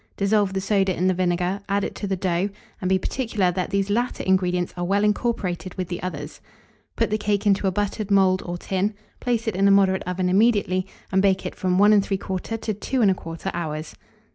Dissolve the soda in the vinegar, add it to the dough, and be particular that these latter ingredients are well incorporated with the others; put the cake into a buttered mould or tin, place it in a moderate oven immediately, and bake it from 1 3/4 to 2 1/4 hours.